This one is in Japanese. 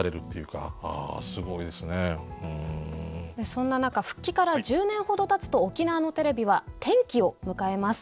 そんな中復帰から１０年ほどたつと沖縄のテレビは転機を迎えます。